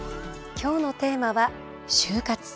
今日のテーマは「終活」。